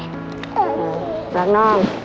รักน้อง